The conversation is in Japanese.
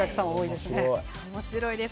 面白いです。